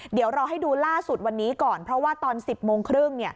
เดี๋ยวเราให้ดูล่าสุดวันนี้ก่อนเพราะว่าตอน๑๐โมงครึ่ง